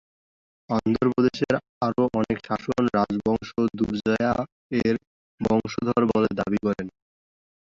অন্ধ্র প্রদেশের আরও অনেক শাসক রাজবংশ দুরজায়া-এর বংশধর বলে দাবি করেন।